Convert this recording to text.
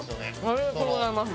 ありがとうございます。